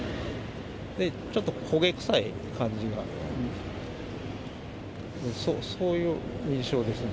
ちょっと焦げ臭い感じが、そういう印象ですね。